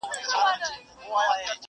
اوس به څنګه نكلچي غاړه تازه كي،